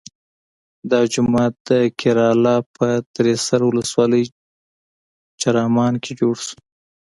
دا جومات د کیراله په تریسر ولسوالۍ چرامان کې جوړ شو.